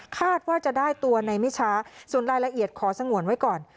คาดว่าจะได้ตัวในไม่ช้าส่วนรายละเอียดขอสงวนไว้ก่อน